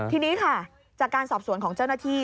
ทีนี้ค่ะจากการสอบสวนของเจ้าหน้าที่